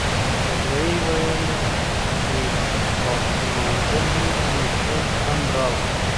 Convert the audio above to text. وويلې چې باقيمانده نورې روپۍ هم راوړه.